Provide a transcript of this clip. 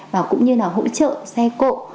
và cũng như là hỗ trợ xe cộ